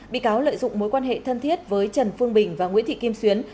bị cáo lợi dụng mối quan hệ thân thiết với trần phương bình và nguyễn thị kim xuyến